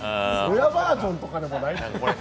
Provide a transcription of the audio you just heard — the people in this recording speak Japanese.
親バージョンとかでもないし。